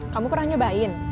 kamu pernah nyobain